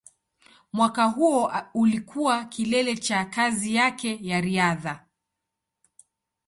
Mwaka huo ulikuwa kilele cha kazi yake ya riadha.